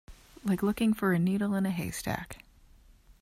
Like looking for a needle in a haystack.